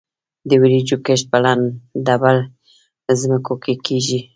د وریجو کښت په لندبل ځمکو کې کیږي.